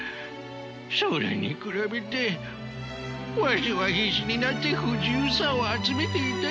それに比べてわしは必死になって不自由さを集めていたのか。